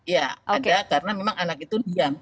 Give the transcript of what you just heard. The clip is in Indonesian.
ya ada karena memang anak itu diam